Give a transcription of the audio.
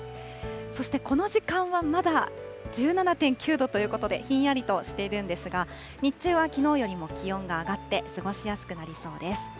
そしてこの時間はまだ１７．９度ということで、ひんやりとしているんですが、日中はきのうよりも気温が上がって、過ごしやすくなりそうです。